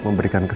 kembali ke rumah